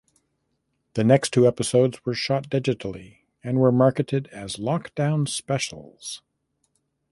Next two episodes were shot digitally and were marketed as lockdown specials.